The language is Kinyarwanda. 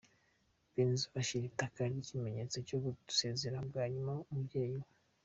Benzo ashyira itaka nk'ikimenyetso cyo gusezera bwa nyuma umubyeyi we.